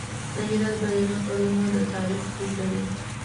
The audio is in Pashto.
د هرات بادغیس بادونه د تاریخ بوی لري.